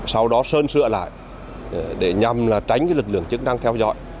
sau đó sơn sửa lại để nhằm tránh lực lượng chức năng theo dõi